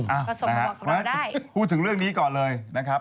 อ้าวพูดถึงเรื่องนี้ก่อนเลยนะครับ